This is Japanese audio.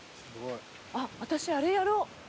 あっ私あれやろう。